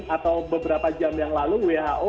atau beberapa jam yang lalu who